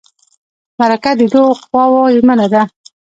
مرکه د دوو خواوو ژمنه ده.